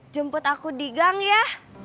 jemput aku di gang ya